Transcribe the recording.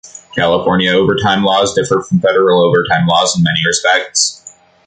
California overtime laws differ from federal overtime laws in many respects.